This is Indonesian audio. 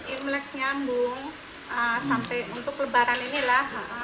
imlek nyambung sampai untuk lebaran inilah